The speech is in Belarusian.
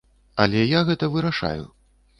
Але я гэта вырашаю.